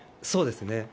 そうですね。